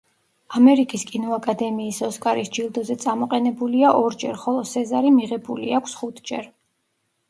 ამერიკის კინოაკადემიის ოსკარის ჯილდოზე წამოყენებულია ორჯერ, ხოლო სეზარი მიღებული აქვს ხუთჯერ.